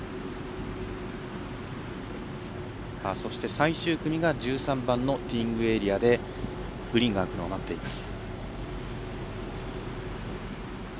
最終組が１３番のティーイングエリアでグリーンが空くのを待っています。